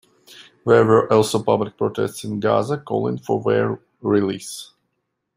There were also public protests in Gaza calling for their release.